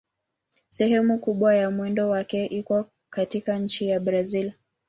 Sehemu kubwa ya mwendo wake iko katika nchi ya Brazil.